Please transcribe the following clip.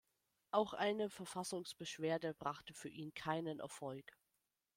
Auch eine Verfassungsbeschwerde brachte für ihn keinen Erfolg.